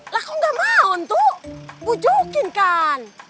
lah kok gak mau tuh bujukin kan